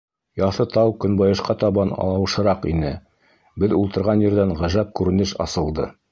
Яҫы тау көнбайышҡа табан ауышыраҡ ине, беҙ ултырған ерҙән ғәжәп күренеш асылды.